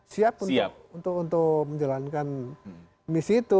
siap untuk menjalankan misi itu